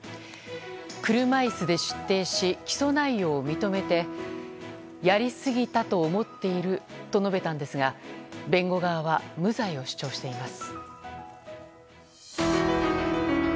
車椅子で出廷し起訴内容を認めてやりすぎたと思っていると述べたんですが弁護側は無罪を主張しています。